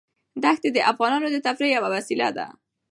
دښتې د افغانانو د تفریح یوه وسیله ده.